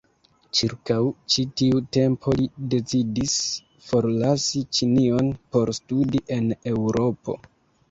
Ĉirkaŭ ĉi tiu tempo li decidis forlasi Ĉinion por studi en Eŭropo.